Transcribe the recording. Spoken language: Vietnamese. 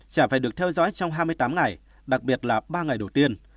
chả phải được theo dõi trong hai mươi tám ngày đặc biệt là ba ngày đầu tiên